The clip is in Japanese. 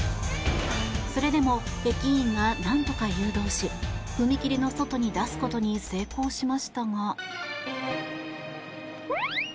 それでも駅員がなんとか誘導し踏切の外に出すことに成功しましたが。